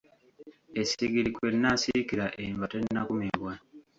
Essigiri kwe nnaasiikira enva tennakumibwa.